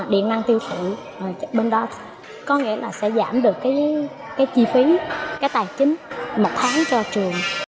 điện năng tiêu thụ bên đó có nghĩa là sẽ giảm được cái chi phí cái tài chính một tháng cho trường